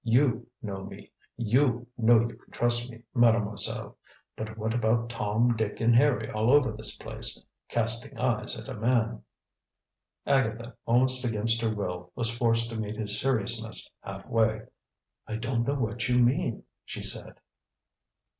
You know me, you know you can trust me, Mademoiselle! But what about Tom, Dick and Harry all over this place casting eyes at a man?" Agatha, almost against her will, was forced to meet his seriousness half way. "I don't know what you mean," she said.